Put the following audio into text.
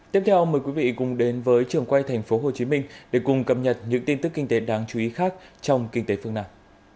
tiếp theo mời quý vị cùng đến với trường quay tp hcm để cùng cập nhật những tin tức kinh tế đáng chú ý khác trong kinh tế phương nam